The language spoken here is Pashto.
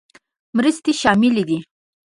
مرستې شاملې دي.